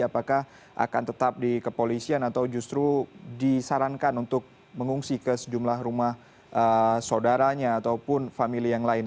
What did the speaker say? apakah akan tetap di kepolisian atau justru disarankan untuk mengungsi ke sejumlah rumah saudaranya ataupun famili yang lain